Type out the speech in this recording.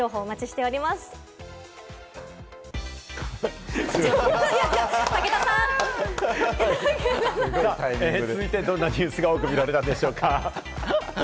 続いて、ネットではどんなニュースが多く見られたのでしょうか？